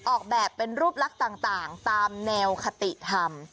ออกแบบเป็นรูปลักษณ์ต่างตามแนวคติธรรม